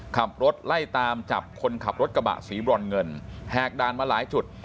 ขับรถไล่ตามจับคนขับรถกระบะสีบรอนเงินแหกด่านมาหลายจุด